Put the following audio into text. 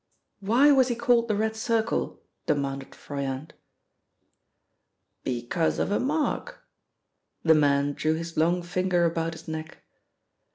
"Why was he called the Red Circle?" demanded Froyant. "Because of a mark." The man drew his long finger about his neck.